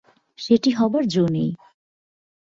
সেটি হবার জো নেই।